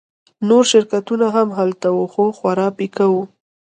نور شرکتونه هم هلته وو خو خورا پیکه وو